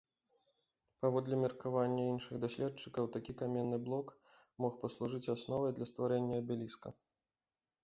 Паводле меркавання іншых даследчыкаў, такі каменны блок мог паслужыць асновай для стварэння абеліска.